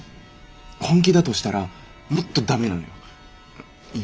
本気だとしたらもっと駄目なのよ。